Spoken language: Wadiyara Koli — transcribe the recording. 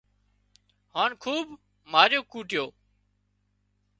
هانَ خوٻ ماريو ڪوٽيو